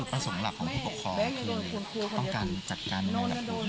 ประสงค์หลักของผู้ปกครองคือต้องการจัดการในระดับนู้น